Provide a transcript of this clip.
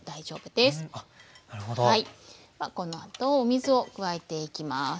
このあとお水を加えていきます。